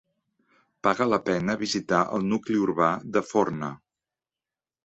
Paga la pena visitar el nucli urbà de Forna.